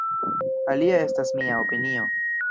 Alia estas mia opinio.